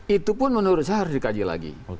itu pun menurut saya harus dikaji lagi